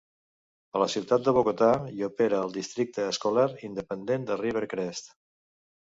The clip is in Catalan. A la ciutat de Bogata hi opera el districte escolar independent de Rivercrest.